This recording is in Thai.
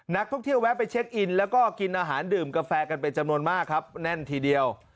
แวะไปเช็คอินแล้วก็กินอาหารดื่มกาแฟกันเป็นจำนวนมากครับแน่นทีเดียว